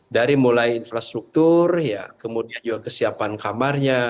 dari mulai infrastruktur kemudian juga kesiapan kamarnya